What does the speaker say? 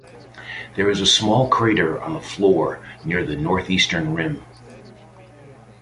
There is a small crater on the floor near the northeastern rim.